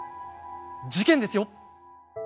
事件ですよ。